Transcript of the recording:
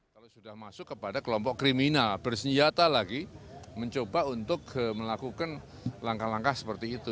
kalau sudah masuk kepada kelompok kriminal bersenjata lagi mencoba untuk melakukan langkah langkah seperti itu